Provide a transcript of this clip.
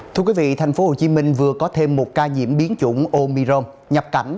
thưa quý vị tp hcm vừa có thêm một ca nhiễm biến chủng omirom nhập cảnh